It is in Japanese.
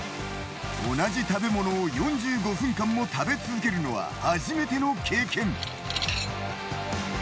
同じ食べ物を４５分間も食べ続けるのは初めての経験。